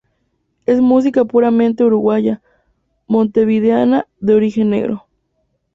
Es música puramente uruguaya, montevideana, de origen negro.